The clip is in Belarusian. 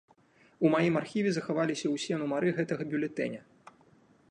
У маім архіве захаваліся ўсе нумары гэтага бюлетэня.